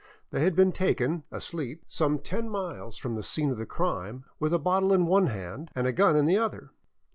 They had been taken, asleep, some ten miles from the scene of the crime, with a bottle in one hand and a gun in the other.